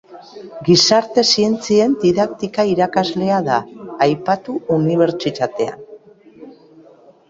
Gizarte Zientzien Didaktika irakaslea da aipatu unibertsitatean.